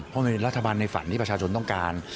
เพราะมีรัฐบาลในฝันที่ประชาชนต้องการ